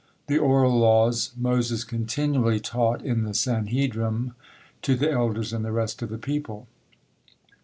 The oral law Moses continually taught in the Sanhedrim, to the elders and the rest of the people.